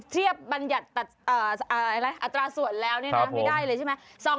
เทียบบัญญัติอัตราส่วนแล้วนี่นะไม่ได้เลยใช่ไหม